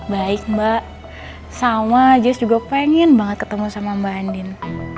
baik mbak sama jazz juga pengen banget ketemu sama mbak andin